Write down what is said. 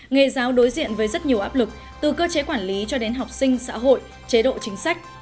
nghề giáo đối diện với rất nhiều áp lực từ cơ chế quản lý cho đến học sinh xã hội chế độ chính sách